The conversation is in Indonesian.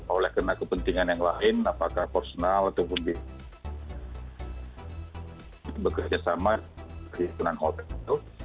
oleh kena kepentingan yang lain apakah personal atau mungkin bekerja sama di hukuman hotel itu